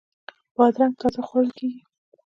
بادرنګ تازه خوړل کیږي.